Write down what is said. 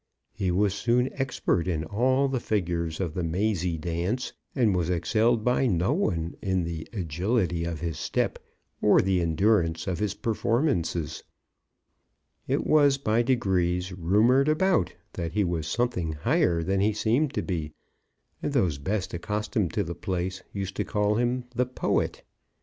He was soon expert in all the figures of the mazy dance, and was excelled by no one in the agility of his step or the endurance of his performances. It was by degrees rumoured about that he was something higher than he seemed to be, and those best accustomed to the place used to call him the Poet.